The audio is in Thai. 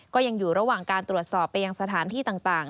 ก็ยังอยู่ระหว่างการตรวจสอบไปยังสถานที่ต่าง